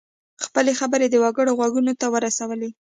خپلې خبرې د وګړو غوږونو ته ورسولې.